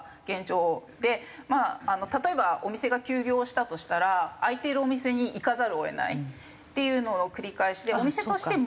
まあ例えばお店が休業したとしたら開いているお店に行かざるを得ないっていうのの繰り返しでお店としても。